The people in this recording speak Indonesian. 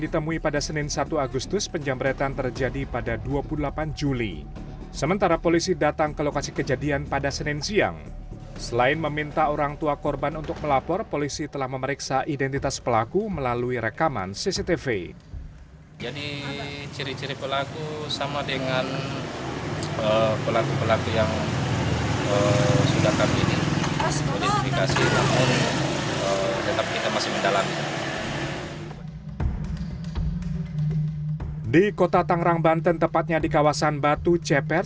tangrang banten tepatnya di kawasan batu cepet